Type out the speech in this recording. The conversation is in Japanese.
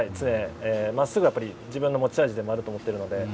まっすぐは自分の持ち味でもあると思っているので。